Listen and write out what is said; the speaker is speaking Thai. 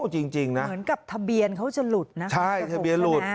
จริงนะเหมือนกับทะเบียนเขาจะหลุดนะคะใช่ทะเบียนหลุด